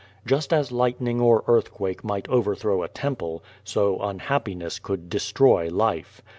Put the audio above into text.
Just as lightning or earthquake might: overthrow a temple, so unhappiness could destroy life.